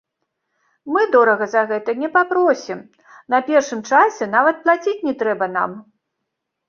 Мы дорага за гэта не папросім, на першым часе нават плаціць не трэба нам.